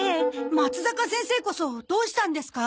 まつざか先生こそどうしたんですか？